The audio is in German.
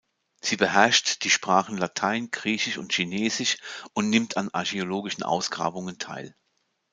Sie beherrscht die Sprachen Latein, Griechisch und Chinesisch und nimmt an archäologischen Ausgrabungen teil.